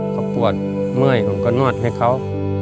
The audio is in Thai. เขาปวดเมื่อยผมก็นวดให้เขา